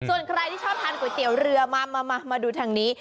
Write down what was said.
ส่วนใครที่ชอบทานก๋วยเตี๋ยวเรือมาดูทางนี้